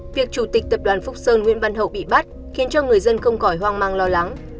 việc chủ tịch tập đoàn phúc sơn nguyễn văn hậu bị bắt khiến cho người dân không khỏi hoang mang lo lắng